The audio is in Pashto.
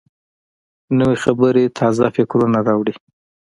نوې خبرې تازه فکرونه راوړي